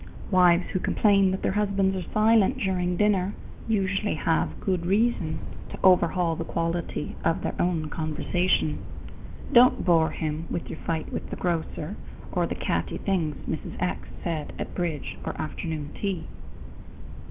_ Wives who complain that their husbands are silent during dinner have usually good reason to overhaul the quality of their own conversation. Don't bore him with your fight with the grocer or the catty things Mrs. X said at bridge or afternoon tea.